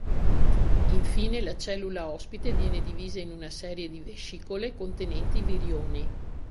Infine la cellula ospite viene divisa in una serie di vescicole contenenti virioni.